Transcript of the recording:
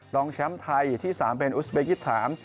รองแชมป์ไทยที่๓เป็นอุสเบกิถาม